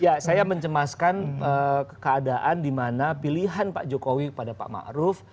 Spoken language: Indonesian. ya saya mencemaskan keadaan dimana pilihan pak jokowi kepada pak ma'ruf